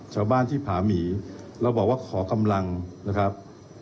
ชาวบ้านที่ผาหมีเราบอกว่าขอกำลังนะครับ